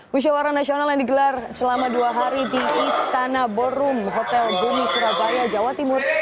musyawara nasional yang digelar selama dua hari di istana ballroom hotel bumi surabaya jawa timur